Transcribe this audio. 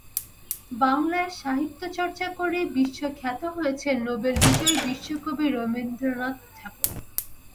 বাংলায় সাহিত্য চর্চা করে বিশ্বখ্যাত হয়েছেন নোবেল বিজয়ী বিশ্বকবি রবীন্দ্রনাথ ঠাকুর।